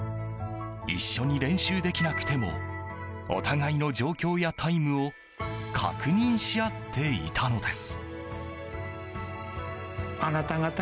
一緒に練習できなくてもお互いの状況やタイムを確認し合っていたのです。